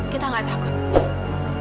kita gak takut